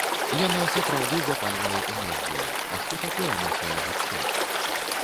Яна сапраўды запальвае энергіяй, а што такое нашае жыццё?